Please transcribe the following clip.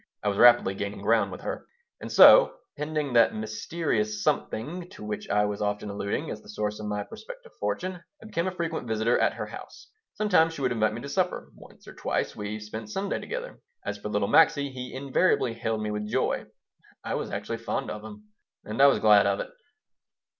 I was rapidly gaining ground with her And so, pending that mysterious something to which I was often alluding as the source of my prospective fortune, I became a frequent visitor at her house. Sometimes she would invite me to supper; once or twice we spent Sunday together. As for little Maxie, he invariably hailed me with joy. I was actually fond of him, and I was glad of it.